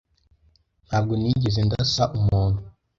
Ntabwo nigeze ndasa umuntu.